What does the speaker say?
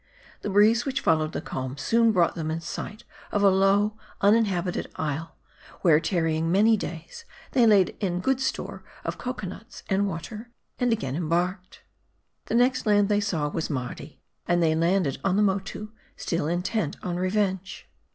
The breeze which followed the calm, soon brought them in sight of a low, uninhabited isle ; where tarrying many days, they laid in good store of cocoanuts and water, and again embarked. The next land they saw was Mardi ; and they landed on the MotQo, still intent on revenge.